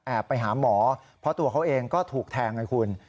แอบไปหาหมอเพราะตัวเขาเองก็ถูกแทงนะครับคุณ